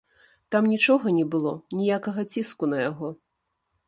Там нічога не было, ніякага ціску на яго.